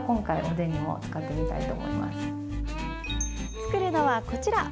作るのは、こちら。